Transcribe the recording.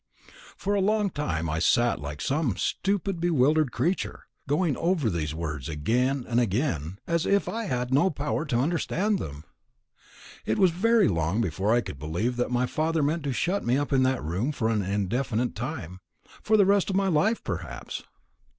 "For a long time I sat like some stupid bewildered creature, going over these words again and again, as if I had no power to understand them. It was very long before I could believe that my father meant to shut me up in that room for an indefinite time for the rest of my life, perhaps.